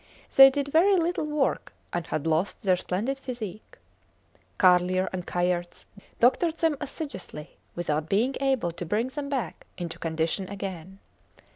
They did very little work, and had lost their splendid physique. Carlier and Kayerts doctored them assiduously without being able to bring them back into condition again.